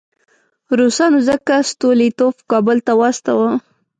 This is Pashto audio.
روسانو ځکه ستولیتوف کابل ته واستاوه.